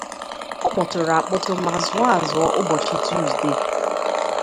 Ọ kpọtụrụ akpọtụ ma zụọ azụọ ụbọchị Tuzdee